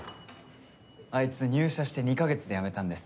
あいつ入社して２カ月で辞めたんです。